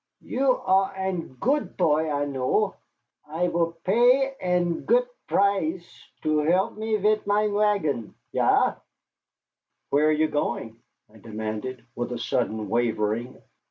You are ein gut poy, I know. I vill pay ein gut price to help me vit mein wagon ja." "Where are you going?" I demanded, with a sudden wavering.